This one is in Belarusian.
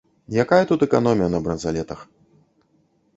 Якая тут эканомія на бранзалетах.